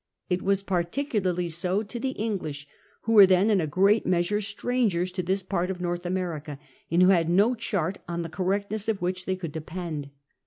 It was particularly so to the English, who were then in a great measure strangers to this pai't (>f North America, and who had no chart on the correctness of which they could depend.